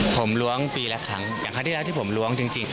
ผมล้วงปีละครั้งอย่างครั้งที่แล้วที่ผมล้วงจริง